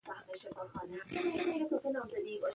آیا شرقي ملت بری وموند؟